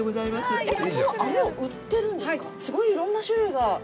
すごいいろんな種類が。